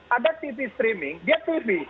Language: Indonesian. ada tv streaming dia tv